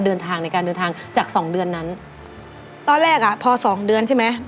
เดินทางในการเดินทางจากสองเดือนนั้นตอนแรกอ่ะพอสองเดือนใช่ไหม